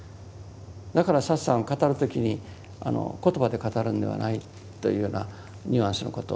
だからサツさんは語る時に言葉で語るんではないというようなニュアンスのことをおっしゃったです。